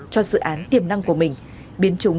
cho dự án tiềm năng của mình biến chúng